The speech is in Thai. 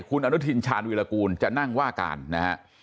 คุณอนุทินชาญวิรากูลจะนั่งว่าการนะฮะ